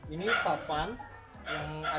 ini tapan yang